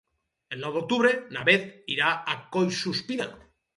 El nou d'octubre na Beth irà a Collsuspina.